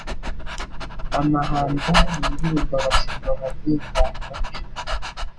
Amahamba n 'indirimbo abashumba baririmba bacyuye inka.